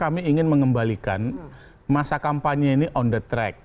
kami ingin mengembalikan masa kampanye ini on the track